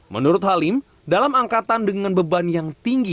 menurut halim dalam angkatan dengan beban yang tinggi